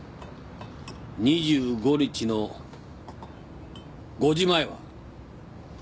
２５日の５時前は？